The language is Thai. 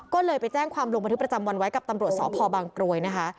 ก็เลยไปแจ้งความลงบันทึกประจำวันไว้กับตำรวจสพบางกรวยนะคะ